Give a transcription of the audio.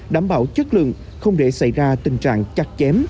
đảm bảo chất lượng không để xảy ra tình trạng chặt chém